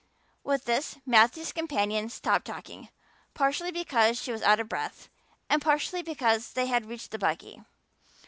With this Matthew's companion stopped talking, partly because she was out of breath and partly because they had reached the buggy.